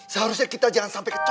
seharusnya kita jangan sampai ke colok